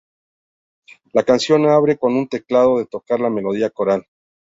La canción abre con un teclado de tocar la melodía coral.